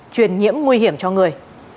truyền nhiễm nguy hiểm cho người